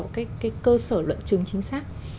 cái cơ sở luận chứng chính xác